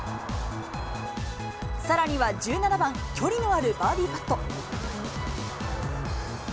さらには１７番、距離のあるバーディーパット。